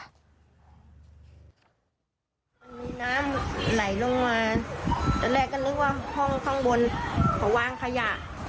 มันมีน้ำไหลลงมาตอนแรกก็นึกว่าห้องข้างบนเขาวางขยะ